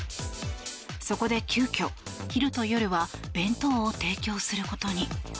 そこで急きょ昼と夜は弁当を提供することに。